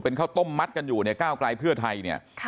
เป็นเขาต้มมัดกันอยู่ในก้าวกลายเพื่อไทย